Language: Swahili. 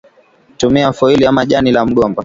tumia Foili ama jani la mgomba